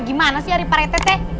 gimana sih hari pak rete teh